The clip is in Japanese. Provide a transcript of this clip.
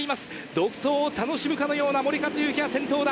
独走を楽しむかのような森且行が先頭だ。